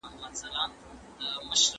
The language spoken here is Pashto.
خطر منل د بريا شرط دی.